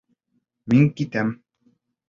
Мин китәм.